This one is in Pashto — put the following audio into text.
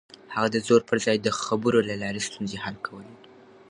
هغه د زور پر ځای د خبرو له لارې ستونزې حل کولې.